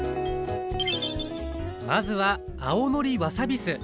まずは青のりわさび酢。